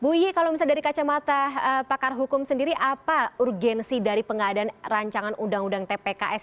bu iyi kalau misalnya dari kacamata pakar hukum sendiri apa urgensi dari pengadaan rancangan undang undang tpks